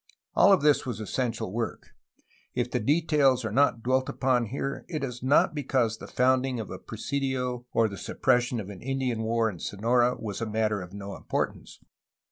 All of this was essential work; if the details are not dwelt upon here, it is not because the founding of a presidio or the suppression of an Indian war in Sonora was a matter of no importance.